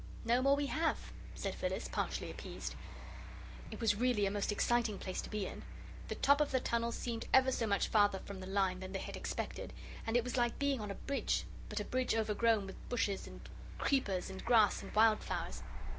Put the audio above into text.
"No more we have," said Phyllis, partially appeased. It was really a most exciting place to be in. The top of the tunnel seemed ever so much farther from the line than they had expected, and it was like being on a bridge, but a bridge overgrown with bushes and creepers and grass and wild flowers.